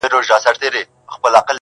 خو ستا د وصل په ارمان باندي تيريږي ژوند.